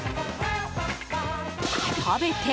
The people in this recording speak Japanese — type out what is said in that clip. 食べて。